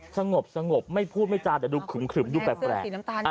สงบสงบไม่พูดไม่จาแต่ดูขึมดูแปลก